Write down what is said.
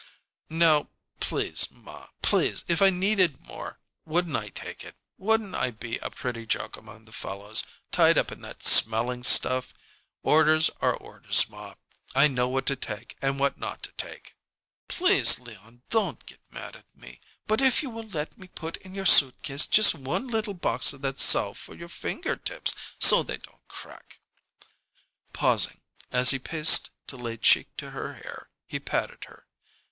"Now, please, ma please! If I needed more, wouldn't I take it? Wouldn't I be a pretty joke among the fellows, tied up in that smelling stuff! Orders are orders, ma, I know what to take and what not to take." "Please, Leon, don't get mad at me, but if you will let me put in your suit case just one little box of that salve, for your finger tips, so they don't crack " Pausing as he paced to lay cheek to her hair, he patted her.